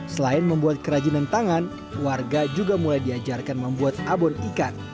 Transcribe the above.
selain membuat kerajinan tangan warga juga mulai diajarkan membuat abon ikan